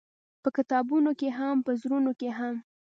په کتابونو کښې هم او په زړونو کښې هم-